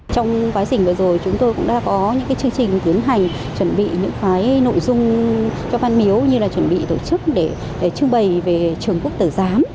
trong quá trình vừa rồi chúng tôi cũng đã có những chương trình tiến hành chuẩn bị những nội dung cho văn miếu như là chuẩn bị tổ chức để trưng bày về trường quốc tử giám